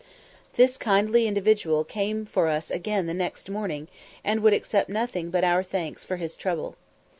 This kindly individual came for us again the next morning, and would accept nothing but our thanks for his trouble.